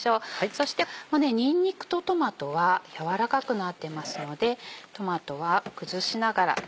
そしてにんにくとトマトは軟らかくなってますのでトマトは崩しながら。